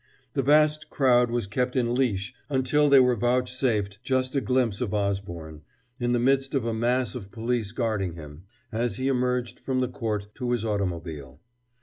The vast crowd was kept in leash until they were vouchsafed just a glimpse of Osborne, in the midst of a mass of police guarding him, as he emerged from the court to his automobile.